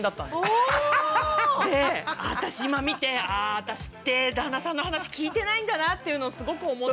私って旦那さんのお話聞いてないんだなっていうのをすごく思って。